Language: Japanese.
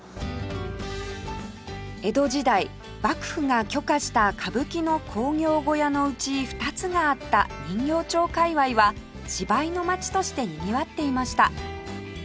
江戸時代幕府が許可した歌舞伎の興行小屋のうち２つがあった人形町界隈は芝居の街としてにぎわっていました